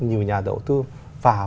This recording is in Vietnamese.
nhiều nhà đầu tư vào